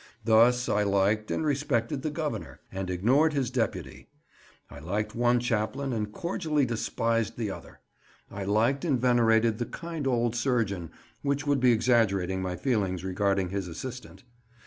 Thus I liked and respected the Governor, and ignored his deputy; I liked one chaplain, and cordially despised the other; I liked and venerated the kind old surgeon, which would be exaggerating my feelings regarding his assistant.